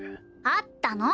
あったの！